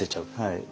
はい。